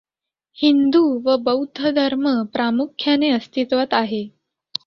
हिंदू व बौद्ध धर्म प्रामुख्याने अस्तित्वात आहे.